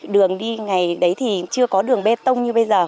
đường đi ngày đấy thì chưa có đường bê tông như bây giờ